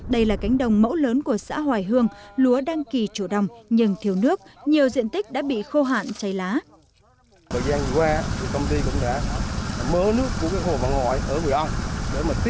đây là cánh đồng mẫu lớn của xã hoài hương lúa đăng kỳ chủ đồng nhưng thiếu nước nhiều diện tích đã bị khô hạn cháy lá